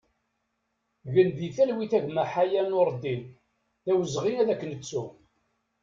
Gen di talwit a gma Haya Nureddin, d awezɣi ad k-nettu!